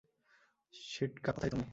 সিটকা, কোথায় তুমি?